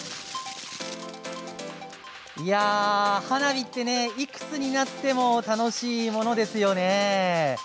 花火っていくつになっても楽しいものですよね。